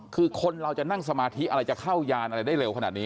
คือคนเราจะนั่งสมาธิอะไรจะเข้ายานอะไรได้เร็วขนาดนี้